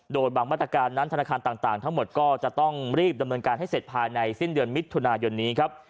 โดยบางมาตรการนั้นธนาคารต่างทั้งหมดก็จะต้องรีบดำเนินการให้เสร็จภายในสิ้นเดือนมิถุนายนนี้ครับ